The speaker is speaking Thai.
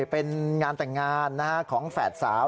เป็นงานแต่งงานของแฝดสาว